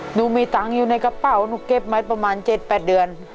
หนูมีตังค์อยู่ในกระเป๋าหนูเก็บมาประมาณ๗๘เดือน